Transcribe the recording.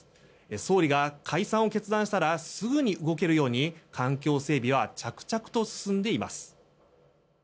総理が解散を決断したらすぐに動けるように環境整備は着々と進んでいます。